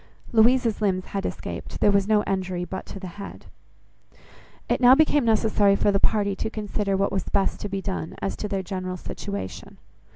Louisa's limbs had escaped. There was no injury but to the head. It now became necessary for the party to consider what was best to be done, as to their general situation.